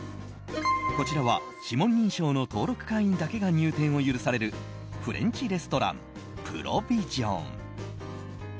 こちらは指紋認証の登録会員だけが入店を許されるフレンチレストランＰｒｏｖｉｓｉｏｎ。